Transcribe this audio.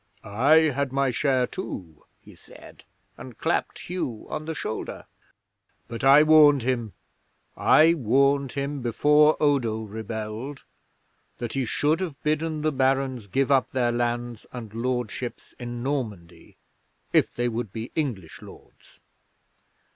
I had my share too," he said, and clapped Hugh on the shoulder; "but I warned him I warned him before Odo rebelled that he should have bidden the Barons give up their lands and lordships in Normandy if they would be English lords.